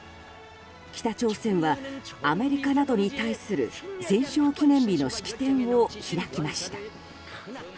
北朝鮮は、アメリカなどに対する戦勝記念日の式典を開きました。